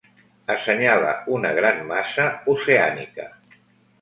Assenyala una gran massa oceànica.